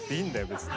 別に。